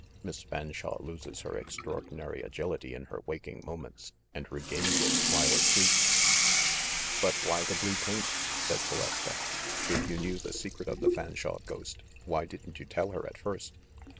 Miss Fanshawe loses her extraordinary agility in her waking moments, and re gains it while asleep." "But why the blue paint?" said Valeska. "If you knew the secret of the Fanshawe ghost, why didn't you tell her at first?"